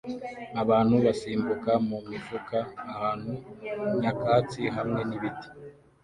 Abantu basimbuka mumifuka ahantu nyakatsi hamwe nibiti